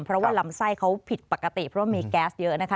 เพราะว่าลำไส้เขาผิดปกติเพราะว่ามีแก๊สเยอะนะคะ